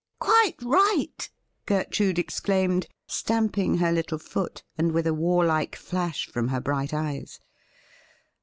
' Quite right !' Gertrude exclaimed, stamping her little foot, and with a warlike flash from her bright eyes.